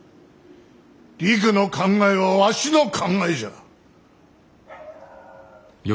りくの考えはわしの考えじゃ。